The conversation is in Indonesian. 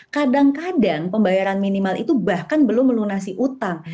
kadang kadang pembayaran minimal itu bahkan belum melunasi utang